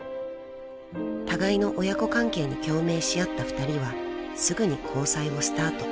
［互いの親子関係に共鳴し合った２人はすぐに交際をスタート］